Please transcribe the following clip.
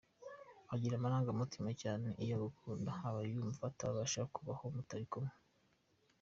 Agira amarangamutima cyane, iyo agukunda aba yumva atabasha kubaho mutari kumwe.